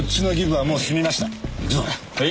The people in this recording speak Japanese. はい。